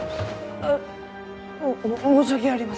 うっ！も申し訳ありません！